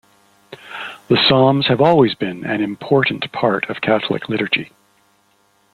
The Psalms have always been an important part of Catholic liturgy.